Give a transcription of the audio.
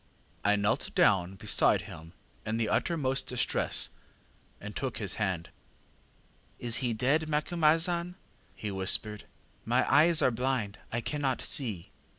ŌĆ£I knelt down beside him in the uttermost distress, and took his hand. ŌĆ£ŌĆśIs he dead, Macumazahn? ŌĆÖ he whispered. ŌĆśMy eyes are blind; I cannot see.